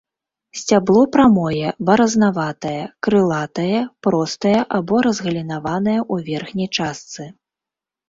Сцябло прамое, баразнаватае, крылатае, простае або разгалінаванае ў верхняй частцы.